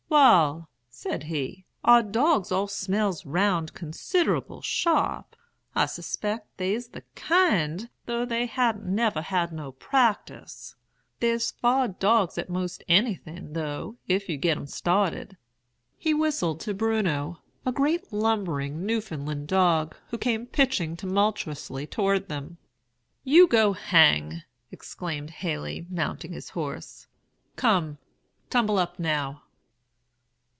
'Wal,' said he, 'our dogs all smells round considerable sharp. I 'spect they's the kind, though they ha'n't never had no practice. They's far dogs at most anything though, if you'd get 'em started.' He whistled to Bruno, a great lumbering Newfoundland dog, who came pitching tumultuously toward them. "'You go hang!' exclaimed Haley, mounting his horse. 'Come, tumble up, now.'